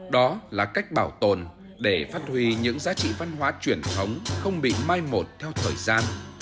đó là cách bảo tồn để phát huy những giá trị văn hóa truyền thống không bị mai một theo thời gian